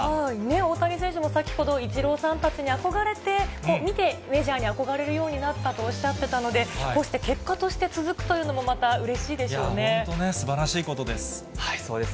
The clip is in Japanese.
大谷選手も先ほど、イチローさんたちに憧れて、見て、メジャーに憧れるようになったとおっしゃってたので、こうして結果として続くというのも、またうれしい本当ね、すばらしいことです。